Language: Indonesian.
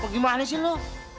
gimana sih lu